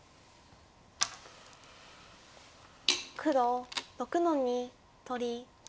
黒６の二取り。